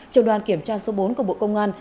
trường đoàn kiểm tra số bốn của bộ công an